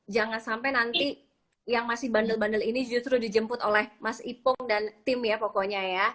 jangan sampai nanti yang masih bandel bandel ini justru dijemput oleh mas ipong dan tim ya pokoknya ya